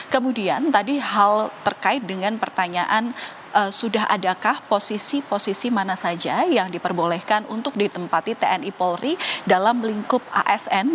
kemudian tadi hal terkait dengan pertanyaan sudah adakah posisi posisi mana saja yang diperbolehkan untuk ditempati tni polri dalam lingkup asn